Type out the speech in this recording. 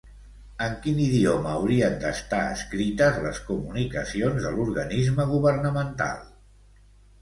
En quin idioma haurien d'estar escrites les comunicacions de l'organisme governamental?